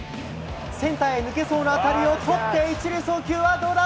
センターへ抜けそうな当たりを捕って、１塁送球はどうだ？